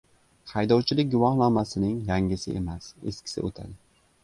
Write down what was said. Haydovchilik guvohnomasining yangisi emas, eskisi o‘tadi...